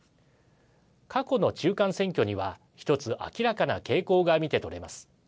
過去の中間選挙にはひとつ明らかな傾向が見て取れます。